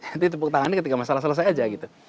jadi tepuk tangannya ketika masalah selesai saja gitu